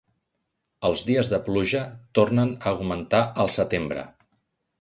Els dies de pluja tornen a augmentar al setembre.